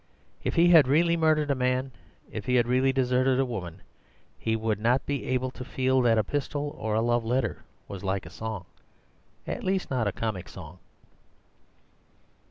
If he had really murdered a man, if he had really deserted a woman, he would not be able to feel that a pistol or a love letter was like a song— at least, not a comic song."